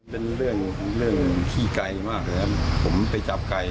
เป็นเรื่องเรื่องขี้ไกลมากเลยครับผมไปจับไกล